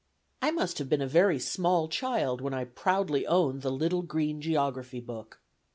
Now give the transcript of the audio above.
I must have been a very small child when I proudly owned the Little Green Geography Book.